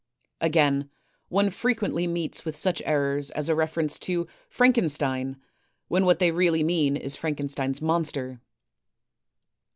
Again, one frequently meets with such errors as a reference to a "Frankenstein,'* when what they really mean is Frank enstein's Monster.